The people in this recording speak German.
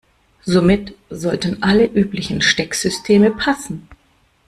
Somit sollten alle üblichen Stecksysteme passen.